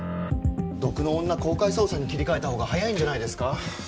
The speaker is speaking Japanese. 毒の女公開捜査に切り替えたほうが早いんじゃないですか？